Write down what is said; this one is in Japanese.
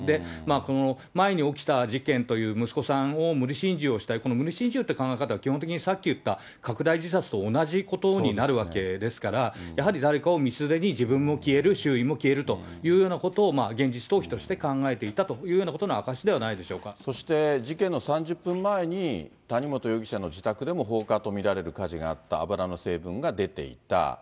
この前に起きた事件という、息子さんを無理心中をしたい、この無理心中っていう考え方は、基本的にさっき言った拡大自殺と同じことになるわけですから、やはり誰かを道連れに自分も消える、周囲も消えるというようなことを、現実逃避として考えていたというようなことの証しではないでしょそして、事件の３０分前に、谷本容疑者の自宅でも放火と見られる火事があった、油の成分が出ていた。